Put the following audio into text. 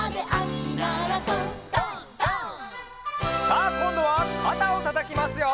「」さあこんどはかたをたたきますよ！